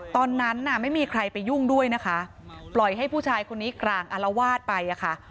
ตอนนั้นน่ะไม่มีใครไปยุ่งด้วยนะคะปล่อยให้ผู้ชายคนนี้กลางอารวาสไปอะค่ะ